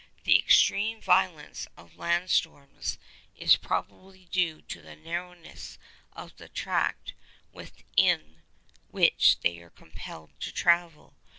The extreme violence of land storms is probably due to the narrowness of the track within which they are compelled to travel.